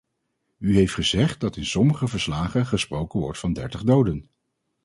U heeft gezegd dat in sommige verslagen gesproken wordt van dertig doden.